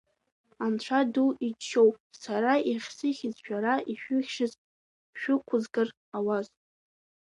Анцәа ду иџьшьоуп сара иахьсыхьыз шәара ишәыхьшаз, шәықәызгар ауаз.